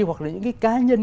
hoặc là những cái cá nhân